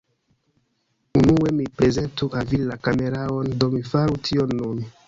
Unue, mi prezentu al vi la kameraon, do mi faru tion nun.